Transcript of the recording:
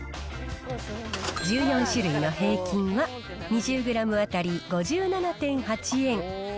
１４種類の平均は、２０グラム当たり５７．８円。